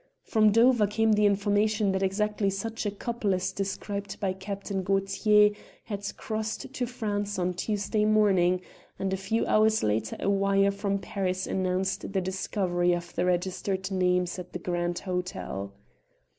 From Dover came the information that exactly such a couple as described by Captain Gaultier had crossed to France on Tuesday morning; and a few hours later a wire from Paris announced the discovery of the registered names at the Grand Hotel.